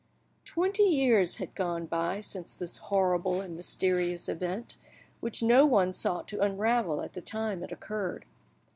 Twenty years had gone by since this horrible and mysterious event, which no one sought to unravel at the time it occurred.